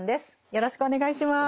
よろしくお願いします。